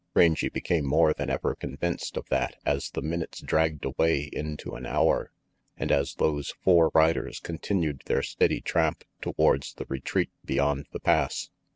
Rangy became more than ever convinced of that as the minutes dragged away into an hour, and as those four riders continued their steady tramp towards the retreat beyond the Pass.